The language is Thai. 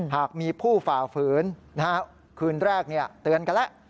หากมีผู้ฝ่าฝืนคืนแรกเตือนกันแล้ว